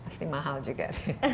pasti mahal juga